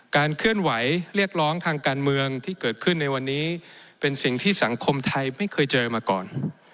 เคลื่อนไหวเรียกร้องทางการเมืองที่เกิดขึ้นในวันนี้เป็นสิ่งที่สังคมไทยไม่เคยเจอมาก่อน